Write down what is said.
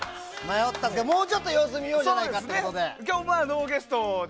もうちょっと様子見ようじゃないかということで。